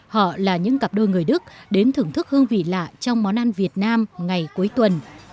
họ là những cặp đôi người đức đến thưởng thức hương vị lạ trong món ăn việt nam ngày cuối tuần